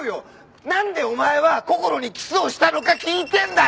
なんでお前はこころにキスをしたのか聞いてんだよ！